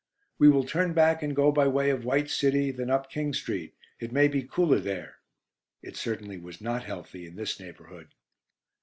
"We will turn back and go by way of 'White City,' then up King Street. It may be cooler there." It certainly was not healthy in this neighbourhood.